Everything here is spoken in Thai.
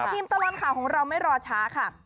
ตลอดข่าวของเราไม่รอช้าค่ะ